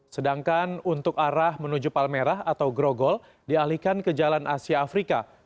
sedangkan untuk arah menuju palmerah atau grogol dialihkan ke jalan asia afrika